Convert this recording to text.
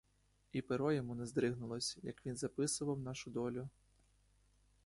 І перо йому не здригнулось, як він записував нашу долю.